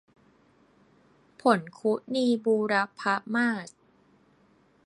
ผลคุนีบูรพมาส